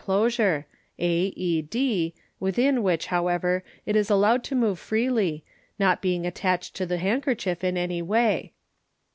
closure, a e d, within which, however, it is al lowed to move freely, not being attached to the handkerchief in any way.